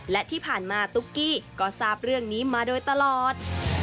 และที่ผ่านมาตุ๊กกี้ก็ทราบเรื่องนี้มาโดยตลอด